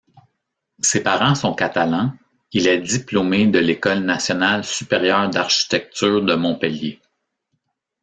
Ses parents sont catalans, il est diplômé de l'École nationale supérieure d'architecture de Montpellier.